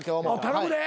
頼むで。